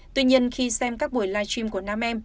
tuy nhiên khi xem các buổi live stream của nam em